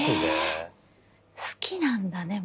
好きなんだね